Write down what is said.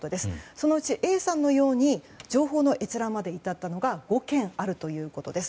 そのうちＡさんのように情報の閲覧にまで至ったのが５件あるということです。